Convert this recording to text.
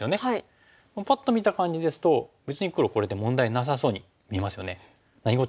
パッと見た感じですと別に黒これで問題なさそうに見えますよね。